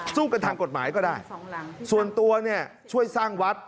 สู้กันทางกฎหมายก็ได้ส่วนตัวเนี่ยช่วยสร้างวัด